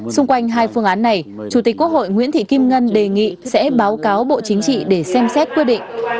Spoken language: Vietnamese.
xung quanh hai phương án này chủ tịch quốc hội nguyễn thị kim ngân đề nghị sẽ báo cáo bộ chính trị để xem xét quyết định